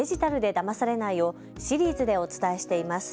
だまされないをシリーズでお伝えしています。